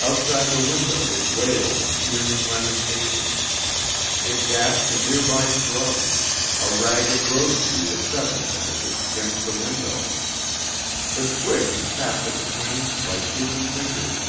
Outside the window it wailed in eerie lamentation. It dashed a near by shrub, a ragged rosetree that Seth had planted, against the window. The twigs tapped at the pane like human fingers.